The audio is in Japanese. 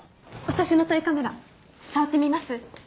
私のトイカメラ触ってみます？